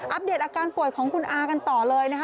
เดตอาการป่วยของคุณอากันต่อเลยนะคะ